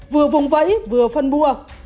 vừa vùng vẫy vừa phân bua